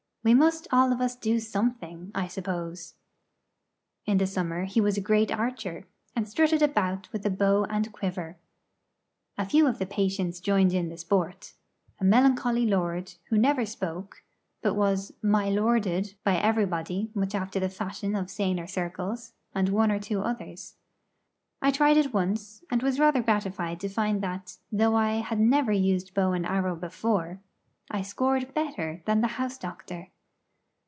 We must all of us do something, I suppose. In the summer he was a great archer, and strutted about with a bow and quiver. A few of the patients joined in the sport a melancholy lord, who never spoke, but was 'my lorded' by everybody much after the fashion of saner circles, and one or two others. I tried it once, and was rather gratified to find that, though I had never used bow and arrow before, I scored better than the house doctor.